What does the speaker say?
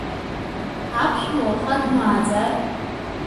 Аԥшәма уаха дмааӡар?